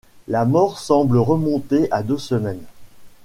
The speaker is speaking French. La mort semble remonter à deux semaines.